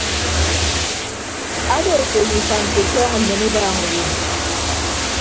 Ado afo ye ufan mfo etọọñọ nneme ubaaña awo.